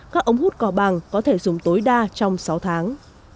các ống hút cỏ bàng có thể dùng tối đa trong sáu tháng